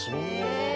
へえ。